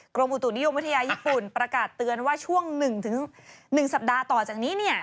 กรมอุตุนิยมวิทยาญี่ปุ่นประกาศเตือนว่าช่วง๑๑สัปดาห์ต่อจากนี้เนี่ย